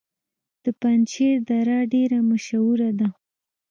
د پنجشیر دره ډیره مشهوره ده